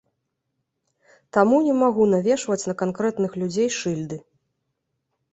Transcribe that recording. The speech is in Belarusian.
Таму не магу навешваць на канкрэтных людзей шыльды.